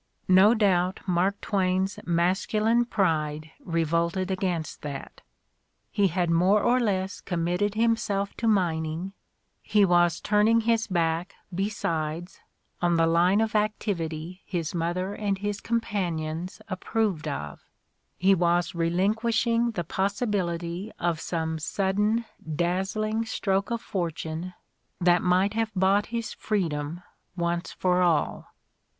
No doubt Mark Twain's masculine pride revolted against that; he had more or less committed himself to mining, he was turn ing his back besides on the line of activity his mother and his companions approved of; he was relinquishing the possibility of some sudden, dazzling stroke of for tune that might have bought his freedom once for all.